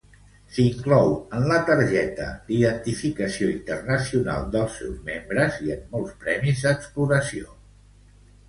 S'inclou en la targeta d'identificació internacional dels seus membres i en molts premis d'exploració.